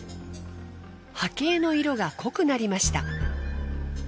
波形の色が濃くなりました。